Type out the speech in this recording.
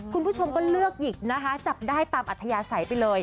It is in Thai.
คุณผู้ชมก็เลือกหยิบนะคะจับได้ตามอัธยาศัยไปเลย